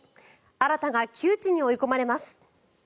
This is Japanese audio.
新が窮地に追い込まれます。